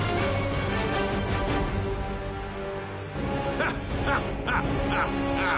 ハッハッハッハッハッ！